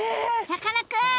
さかなクン！